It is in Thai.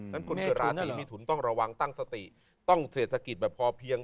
คนเกิดราศีมิถุนต้องระวังตั้งสติต้องเศรษฐกิจแบบพอเพียง